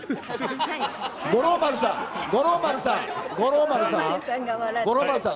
五郎丸さん、五郎丸さん、五郎丸さん？